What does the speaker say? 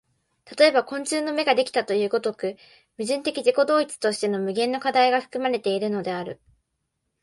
例えば昆虫の眼ができたという如く、矛盾的自己同一として無限の課題が含まれているのである。